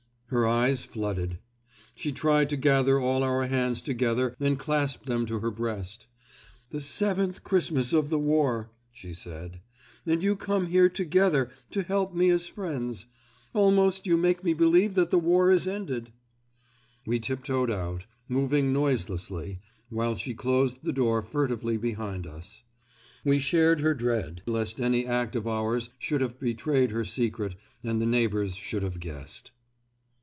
Her eyes flooded. She tried to gather all our hands together and clasp them to her breast. "The seventh Christmas of the war!" she said. "And you come here together to help me as friends. Almost you make me believe that the war is ended." We tiptoed out, moving noiselessly, while she closed the door furtively behind us. We shared her dread lest any act of ours should have betrayed her secret and the neighbours should have guessed.